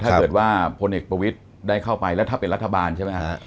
ถ้าเกิดว่าพลเอกประวิทย์ได้เข้าไปแล้วถ้าเป็นรัฐบาลใช่ไหมครับ